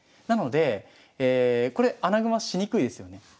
なのでこれ穴熊しにくいですよね。